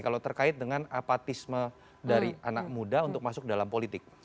kalau terkait dengan apatisme dari anak muda untuk masuk dalam politik